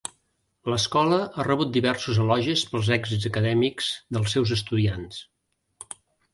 L"escola ha rebut diversos elogis pels èxits acadèmics dels seus estudiants.